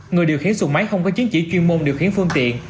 người điều khiển sụn máy không có chiến chỉ chuyên môn điều khiển phương tiện